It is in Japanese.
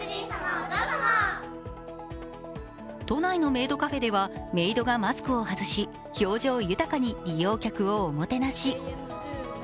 都内のメイドカフェではメイドがマスクを外し表情豊かに利用客をおもてなし。